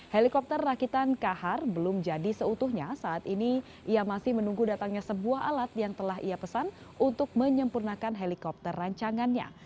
helikopter rakitan kahar belum jadi seutuhnya saat ini ia masih menunggu datangnya sebuah alat yang telah ia pesan untuk menyempurnakan helikopter rancangannya